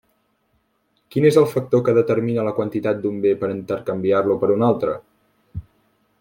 Quin és el factor que determina la quantitat d'un bé per intercanviar-lo per un altre?